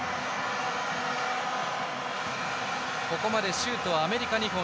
ここまでシュート、アメリカ２本。